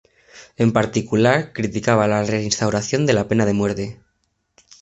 En particular criticaba la reinstauración de la pena de muerte.